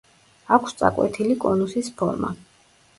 აქვს წაკვეთილი კონუსის ფორმა.